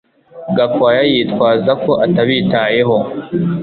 Gakwaya yitwaza ko atabitayeho.